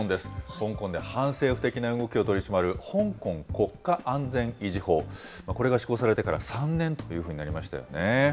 香港で反政府的な動きを取り締まる香港国家安全維持法、これが施行されてから３年というふうになりましたよね。